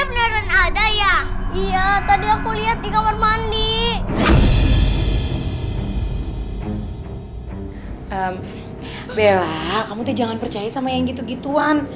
bella kamu tuh jangan percaya sama yang gitu gituan